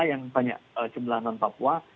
yang banyak jumlah non papua